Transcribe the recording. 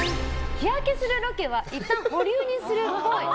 日焼けするロケはいったん保留にするっぽい。